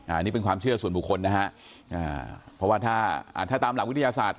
อันนี้เป็นความเชื่อส่วนบุคคลนะฮะอ่าเพราะว่าถ้าตามหลักวิทยาศาสตร์